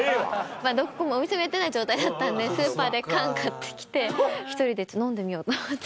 まぁどこもお店もやってない状態だったんでスーパーで缶買って来て１人で飲んでみようと思って。